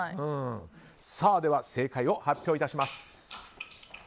では、正解を発表致します。